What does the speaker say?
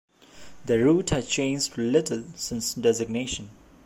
The route has changed little since designation.